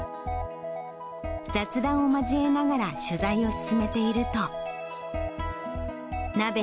雑談を交えながら取材を進めていると。